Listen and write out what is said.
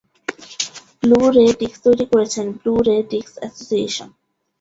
Blu-ray disc তৈরি করেছে Blu-ray disc association.